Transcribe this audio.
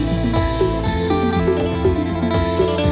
เธอไม่รู้ว่าเธอไม่รู้